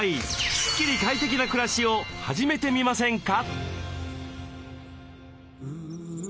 スッキリ快適な暮らしを始めてみませんか？